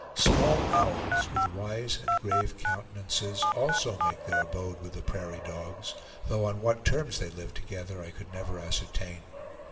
Small owls, with wise and grave countenances, also make their abode with the prairie dogs, though on what terms they live together I could never ascertain.